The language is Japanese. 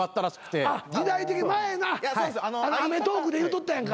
前な『アメトーーク！』で言うとったやんか。